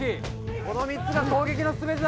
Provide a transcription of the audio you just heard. この３つが攻撃の全てだ！